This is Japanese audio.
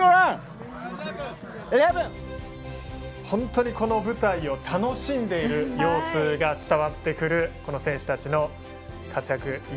本当に、この舞台を楽しんでいる様子が伝わってくるこの選手たちの活躍。